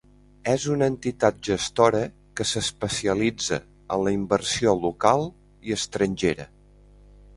És una entitat gestora, que s'especialitza en la inversió local i estrangera.